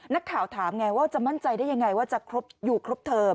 นักข่าวถามไงว่าจะมั่นใจได้ยังไงว่าจะอยู่ครบเทอม